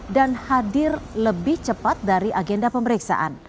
dan hadir lebih cepat dari agenda pemeriksaan